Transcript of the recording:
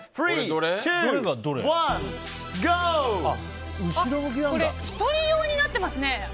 これ１人用になっていますね。